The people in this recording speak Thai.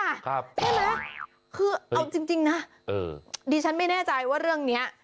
ใช่ไหมคือเอาจริงนะดิฉันไม่แน่ใจว่าเรื่องนี้